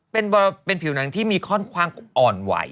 เป็นผิวหนังที่มีค่อนข้างอ่อนไหว